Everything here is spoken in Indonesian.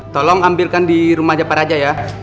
tolong ambilkan di rumahnya pak raja ya